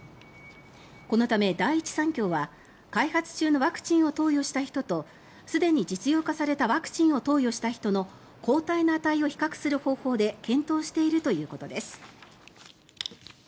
このため第一三共は開発中のワクチンを投与した人とすでに実用化されたワクチンを投与した人の抗体の値を比較する方向で検討しているということです。